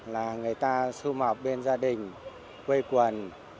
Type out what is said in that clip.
là người ta xu mọc bên gia đình quê quần